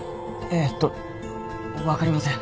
えっとわかりません。